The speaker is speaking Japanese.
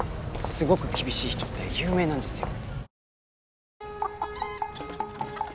すごく厳しい人って有名なんですよ